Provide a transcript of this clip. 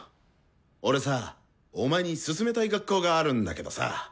俺さお前に勧めたい学校があるんだけどさ。